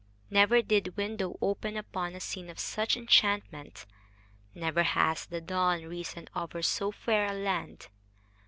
Never did window open upon a scene of such enchantment. Never has the dawn risen over so fair a land.